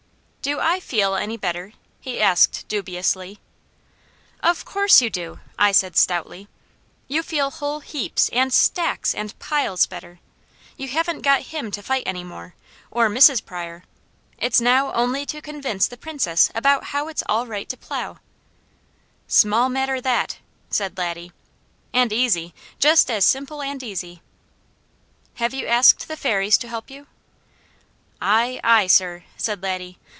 "Do I feel any better?" he asked dubiously. "Of course you do!" I said stoutly. "You feel whole heaps, and stacks, and piles better. You haven't got him to fight any more, or Mrs. Pryor. It's now only to convince the Princess about how it's all right to plow." "Small matter, that!" said Laddie. "And easy! Just as simple and easy!" "Have you asked the Fairies to help you?" "Aye, aye, sir," said Laddie.